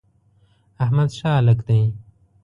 احمد ښه هلک دی.